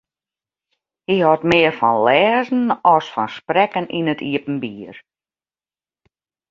Hy hâldt mear fan lêzen as fan sprekken yn it iepenbier.